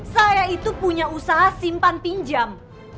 saya itu punya usaha simpan pinjam